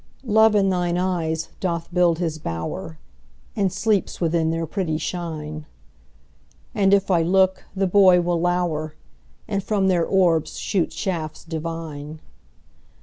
Love in thine eyes doth build his bower, And sleeps within their pretty shine; And if I look, the boy will lower, And from their orbs shoot shafts divine.